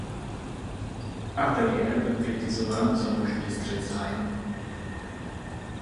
Ateliér byl kritizován za možný střet zájmů.